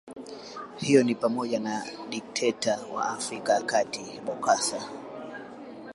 Hiyo nipamoja na dikteta wa Afrika ya Kati Bokassa